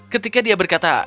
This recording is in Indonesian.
ketika dia berkata